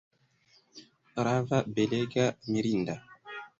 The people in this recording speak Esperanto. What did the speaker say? Rava, belega, mirinda!